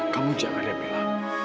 kamu jangan ya mila